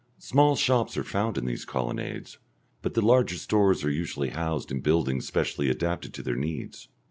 Small shops are found in these colonnades, but the larger stores are usually housed in buildings specially adapted to their needs.